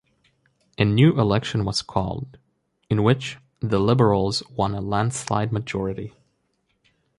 A new election was called, in which the Liberals won a landslide majority.